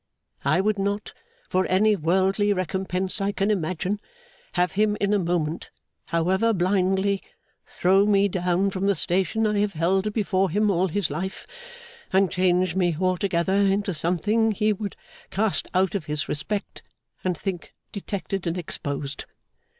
I would not, for any worldly recompense I can imagine, have him in a moment, however blindly, throw me down from the station I have held before him all his life, and change me altogether into something he would cast out of his respect, and think detected and exposed.